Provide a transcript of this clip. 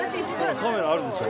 カメラあるでしょ？